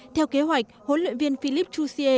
theo kế hoạch huấn luyện viên philippe jouzier sẽ